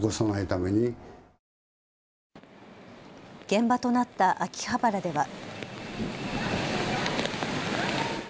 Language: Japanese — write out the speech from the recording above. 現場となった秋葉原では。